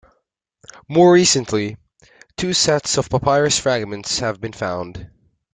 More recently, two sets of papyrus fragments have been found.